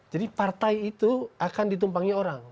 jadi partai itu akan ditumpangi orang